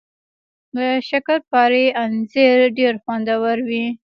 د شکرپارې انځر ډیر خوندور وي